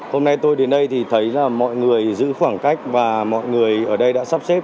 hôm nay tôi đến đây thì thấy là mọi người giữ khoảng cách và mọi người ở đây đã sắp xếp